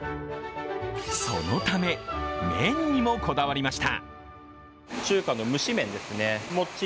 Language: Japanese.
そのため麺にもこだわりました。